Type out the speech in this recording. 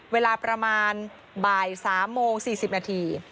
เวลาประมาณบ่าย๓โมง๔๐นาที